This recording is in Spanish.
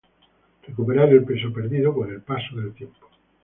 recuperar el peso perdido con el paso del tiempo